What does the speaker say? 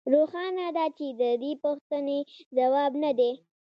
روښانه ده چې د دې پوښتنې ځواب نه دی